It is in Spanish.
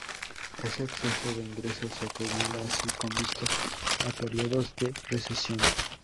Ese exceso de ingresos se acumula así con vistas a periodos de recesión.